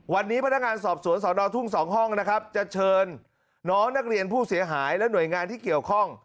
วันนี้พนักงานสอบสวนสอนอทุ่ง๒ห้องนะครับจะเชิญน้องนักเรียนผู้เสียหายและหน่วยงานที่เกี่ยวข้อง